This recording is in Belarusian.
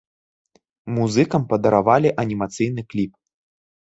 Музыкам падаравалі анімацыйны кліп.